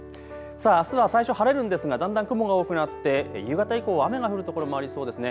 あすは最初、晴れるんですがだんだん雲が多くなって夕方以降雨が降る所もありそうですね。